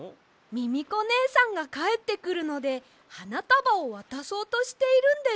ミミコねえさんがかえってくるのではなたばをわたそうとしているんです！